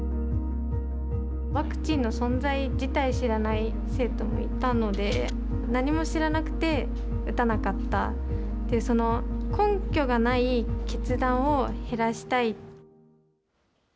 ワクチンの存在自体知らない生徒もいたので、何も知らなくて打たなかったっていう、その根拠がない決断を減らしたい。